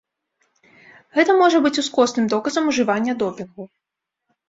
Гэта можа быць ускосным доказам ужывання допінгу.